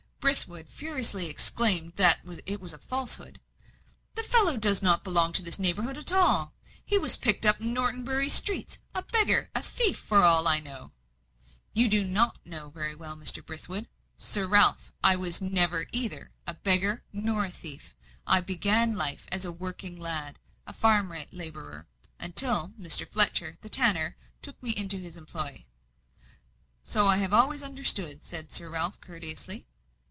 Brithwood furiously exclaimed that it was a falsehood. "The fellow does not belong to this neighbourhood at all. He was picked up in Norton Bury streets a beggar, a thief, for all I know." "You do know very well, Mr. Brithwood. Sir Ralph, I was never either a beggar or a thief. I began life as a working lad a farm labourer until Mr. Fletcher, the tanner, took me into his employ." "So I have always understood," said Sir Ralph, courteously.